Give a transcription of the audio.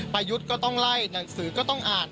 ยุทธ์ก็ต้องไล่หนังสือก็ต้องอ่าน